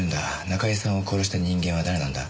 中居さんを殺した人間は誰なんだ？